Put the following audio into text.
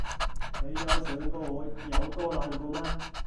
你有想過我有多難過嗎